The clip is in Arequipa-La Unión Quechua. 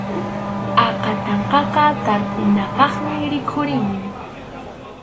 Akatanqaqa tarpunapaqmi rikhurimun.